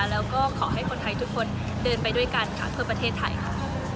แล้วก็ขอให้คนไทยทุกคนเดินไปด้วยกันค่ะเพื่อประเทศไทยค่ะ